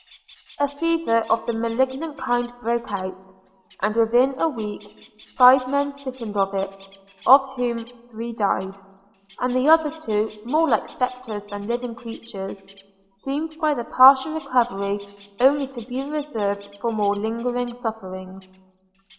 A fever of the malignant kind broke out; and within a week five men sickened of it, of whom three died; and the other two, more like spectres than living creatures, seemed by their partial recovery only to be reserved for more lingering sufferings.